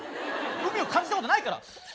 海を感じたことないから。